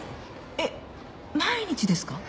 えっ毎日ですか？